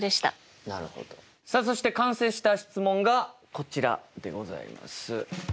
さあそして完成した質問がこちらでございます。